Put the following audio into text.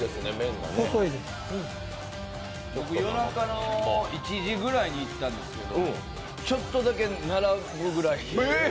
夜中の１時ぐらいに行ったんですけど、ちょっとだけ並ぶぐらい。